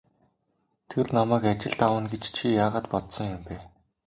Тэр намайг ажилд авна гэж чи яагаад бодсон юм бэ?